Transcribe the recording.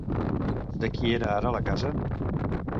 De qui era ara la casa?